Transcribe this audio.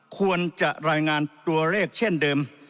ควรจะรายงานตัวเลขเช่นเดิม